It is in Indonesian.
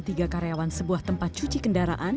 tiga karyawan sebuah tempat cuci kendaraan